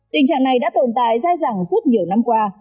tình trạng này đã tồn tại rai rẳng suốt nhiều năm qua